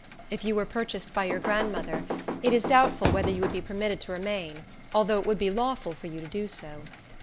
If you were purchased by your grandmother, it is doubtful whether you would be permitted to remain, although it would be lawful for you to do so.